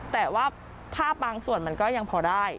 แต่ว่าภาพบางส่วนมันก็ยังพอได้